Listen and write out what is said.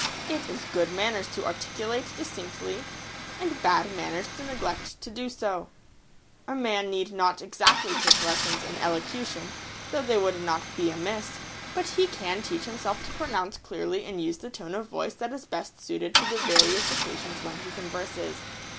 It is good manners to articulate distinctly, and bad manners to neglect to do so. [Sidenote: Distinct articulation.] A man need not exactly take lessons in elocution (though they would not be amiss), but he can teach himself to pronounce clearly and use the [Sidenote: Tones of voice.] tone of voice that is best suited to the various occasions when he converses.